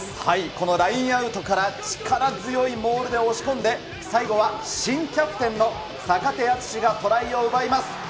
このラインアウトから、力強いモールで押し込んで、最後は新キャプテンの坂手淳史がトライを奪います。